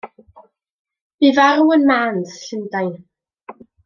Bu farw ym Marnes, Llundain.